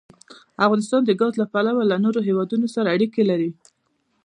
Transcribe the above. افغانستان د ګاز له پلوه له نورو هېوادونو سره اړیکې لري.